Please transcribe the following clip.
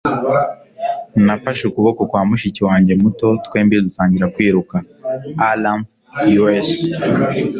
nafashe ukuboko kwa mushiki wanjye muto, twembi dutangira kwiruka. (alanf_us